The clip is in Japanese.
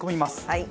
はい。